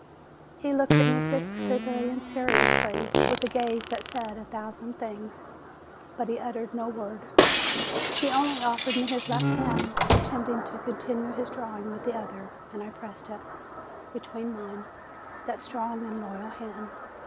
He looked at me fixedly and seriously, with a gaze that said a thousand things, but he uttered no word. He only offered me his left hand, pretending to con tinue his drawing with the other; and I pressed it THE LAST EXAMINATION 345 between mine, that strong and loyal hand.